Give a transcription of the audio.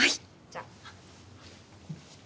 じゃあ。